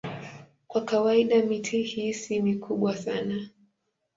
Kwa kawaida miti hii si mikubwa sana.